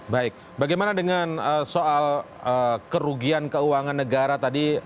baik bagaimana dengan soal kerugian keuangan negara tadi